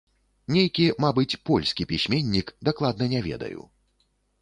Нейкі, мабыць, польскі пісьменнік, дакладна не ведаю.